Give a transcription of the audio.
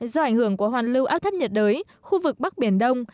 do ảnh hưởng của hoàn lưu áp thấp nhiệt đới khu vực bắc biển đông